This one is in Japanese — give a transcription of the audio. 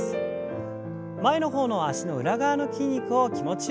前の方の脚の裏側の筋肉を気持ちよく伸ばしてください。